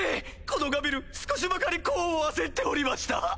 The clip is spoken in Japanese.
このガビル少しばかり功を焦っておりました。